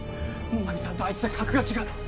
最上さんとあいつじゃ格が違う。